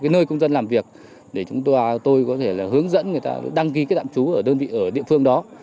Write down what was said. nơi công dân làm việc để tôi có thể hướng dẫn người ta đăng ký đạm chú ở địa phương đó